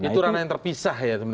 itu ranah yang terpisah ya